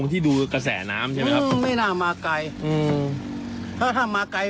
ถ้าถ้ามาไกล